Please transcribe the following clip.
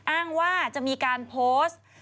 อ้างว่าจะมีการโพสต์